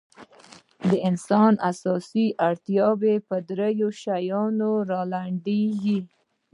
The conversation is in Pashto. د انسان اساسي اړتیاوې په درېو شیانو رالنډېږي.